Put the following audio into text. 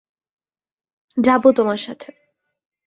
যাব তোমার সাথে।